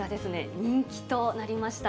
人気となりました。